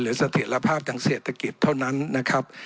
เสถียรภาพทางเศรษฐกิจเท่านั้นนะครับ